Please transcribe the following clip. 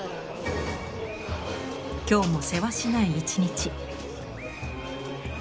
今日もせわしない一日。